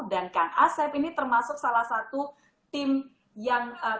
dan kang asep ini termasuk salah satu tim yang terlalu